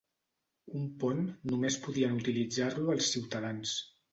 Un pont només podien utilitzar-lo els ciutadans.